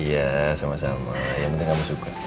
iya sama sama yang penting kamu suka